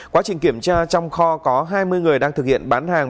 quá trình kiểm tra trong kho có hai mươi người đang thực hiện bán hàng